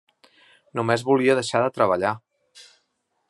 Només volia deixar de treballar.